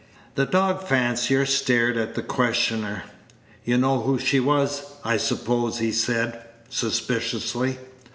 The dog fancier stared at the questioner. "You know who she was, I suppose?" he said, suspiciously.